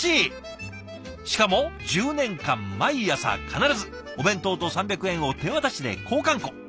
しかも１０年間毎朝必ずお弁当と３００円を手渡しで交換こ。